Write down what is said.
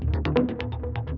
di setan ke hitam